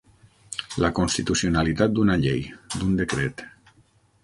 La constitucionalitat d'una llei, d'un decret.